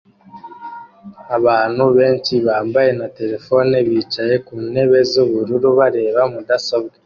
Abantu benshi bambaye na terefone bicaye ku ntebe z'ubururu bareba mudasobwa